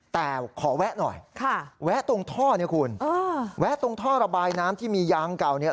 แต่ขอแวะหน่อยแวะตรงท่อเนี่ยคุณแวะตรงท่อระบายน้ำที่มียางเก่าเนี่ย